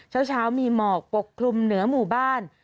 เช้ามีหมอกปกคลุมเหนือหมู่บ้าน